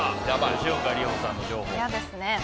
吉岡里帆さんの情報。